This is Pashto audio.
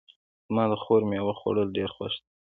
زما د خور میوه خوړل ډېر خوښ ده